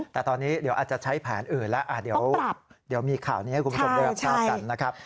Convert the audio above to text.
แต่ตอนนี้เดี๋ยวอาจจะใช้แผนอื่นแล้วเดี๋ยวมีข่าวนี้ให้คุณผู้ชมได้รับทราบกันนะครับ